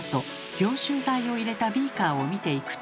凝集剤を入れたビーカーを見ていくと。